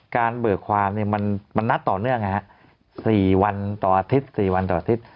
เบิกความมันนัดต่อเนื่อง๔วันต่ออาทิตย์๔วันต่ออาทิตย์